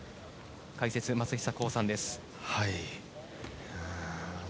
解説、松久功さんです。